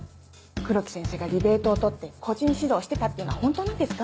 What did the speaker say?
黒木先生がリベートを取って個人指導してたっていうのは本当なんですか？